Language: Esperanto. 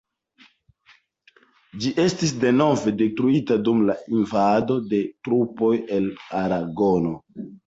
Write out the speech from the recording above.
Ĝi estis denove detruita dum la invado de trupoj el aragono.